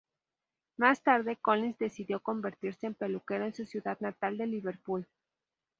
Más tarde, Collins decidió convertirse en peluquero en su ciudad natal de Liverpool.